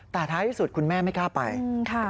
แต่ท้ายที่สุดคุณแม่ก็บอกว่า